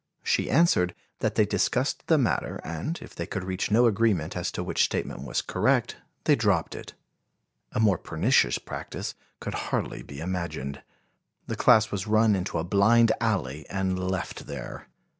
She answered that they discussed the matter, and, if they could reach no agreement as to which statement was correct, they dropped it. A more pernicious practice could hardly be imagined. The class was run into a blind alley and left there!